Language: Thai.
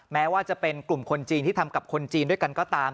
แม้ว่าจะเป็นกลุ่มคนจีนที่ทำกับคนจีนด้วยกันก็ตาม